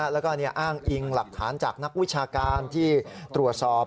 แล้วก็อ้างอิงหลักฐานจากนักวิชาการที่ตรวจสอบ